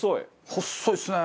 細いですね！